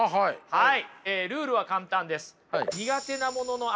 はい。